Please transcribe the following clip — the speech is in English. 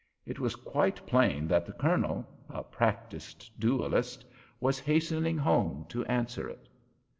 It was quite plain that the Colonel—a practised duellist—was hastening home to answer it.